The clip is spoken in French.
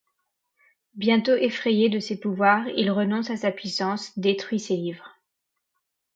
Bientôt effrayé de ses pouvoirs, il renonce à sa puissance, détruit ses livres.